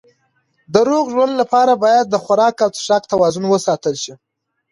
د روغ ژوند لپاره باید د خوراک او څښاک توازن وساتل شي.